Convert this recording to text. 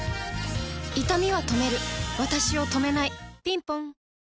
いたみは止めるわたしを止めないぴんぽん